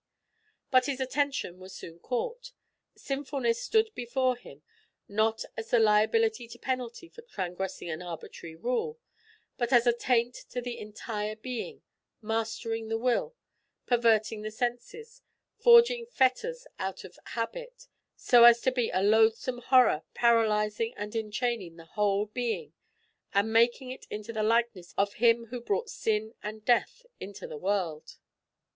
But his attention was soon caught. Sinfulness stood before him not as the liability to penalty for transgressing an arbitrary rule, but as a taint to the entire being, mastering the will, perverting the senses, forging fetters out of habit, so as to be a loathsome horror paralysing and enchaining the whole being and making it into the likeness of him who brought sin and death into the world.